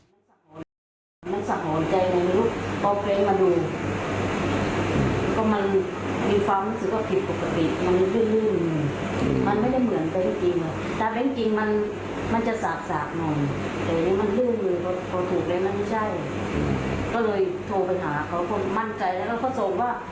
แต่มันลื่นมือเขาถูกเลยมันไม่ใช่ก็เลยโทรไปหาเขาคนมั่นใจแล้วเขาส่งว่า